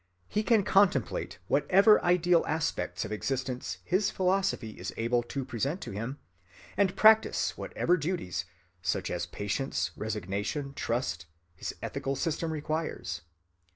He can contemplate whatever ideal aspects of existence his philosophy is able to present to him, and practice whatever duties, such as patience, resignation, trust, his ethical system requires.